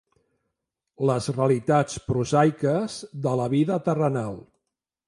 Les realitats prosaiques de la vida terrenal.